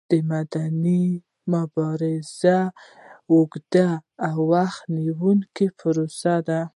مدني مبارزه یوه اوږده او وخت نیوونکې پروسه ده.